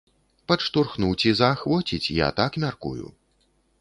Падштурхнуць і заахвоціць, я так мяркую.